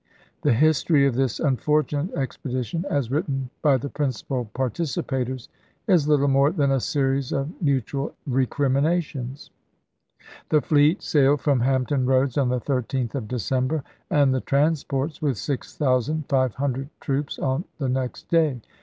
The history of this unfortunate expedition, as written by the principal participators, is little more than a series of mutual recriminations. The fleet 1864 sailed from Hampton Roads on the 13th of Decem ber, and the transports with six thousand five hundred troops on the next day.